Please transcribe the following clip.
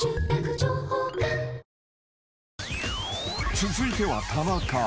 ［続いては田中。